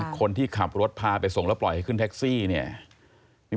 คนที่ขับรถพาไปส่งแล้วปล่อยให้ขึ้นแท็กซี่เนี่ย